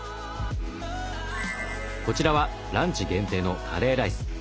こちらはランチ限定のカレーライス。